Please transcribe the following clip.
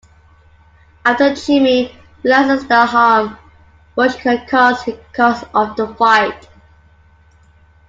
After Jimmy realises the harm Bush has caused, he calls off the fight.